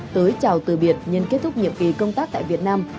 tới chào từ biệt nhân kết thúc nhiệm kỳ công tác tại việt nam